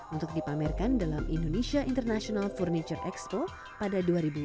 untuk dipamerkan dalam indonesia international furniture expo pada dua ribu lima belas